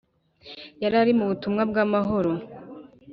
yarari mubutumwa bwamahoro